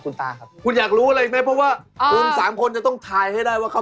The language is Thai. หลังว่า๓นาทีนี้จะเป็นประโยชน์นะครับ